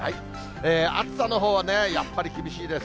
暑さのほうはね、やっぱり厳しいです。